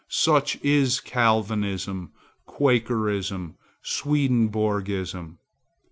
Such is Calvinism, Quakerism, Swedenborgism.